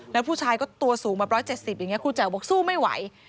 แล้วผู้ชายก็ตัวสูงแบบ๑๗๐อย่างนี้ครูแจ๋วบอกสู้ไม่ไหว